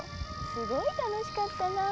すごい楽しかったなぁ。